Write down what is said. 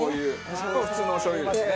これ普通のおしょう油ですね？